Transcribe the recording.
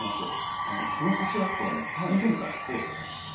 あのこの柱って以前からこうだったんですか？